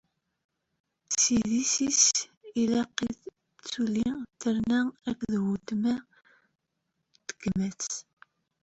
S idis-is i ak-id-tsuli, terna-ak-d weltma-k d tagmat.